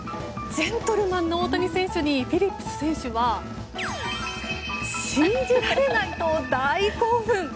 ジェントルマンの大谷選手にフィリップス選手は信じられない！と大興奮！